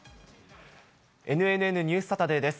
ＮＮＮニュースサタデーです。